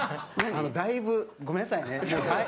だいぶ、ごめんなさいね。